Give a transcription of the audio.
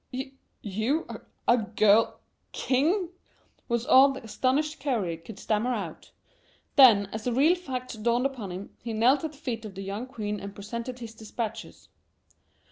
"You a girl king?" was all that the astonished courier could stammer out. Then, as the real facts dawned upon him, he knelt at the feet of the young queen and presented his dispatches.